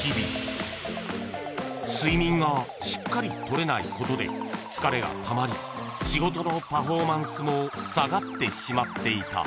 ［睡眠がしっかり取れないことで疲れがたまり仕事のパフォーマンスも下がってしまっていた］